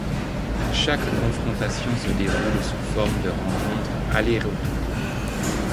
Chaque confrontation se déroule sous forme de rencontres aller et retour.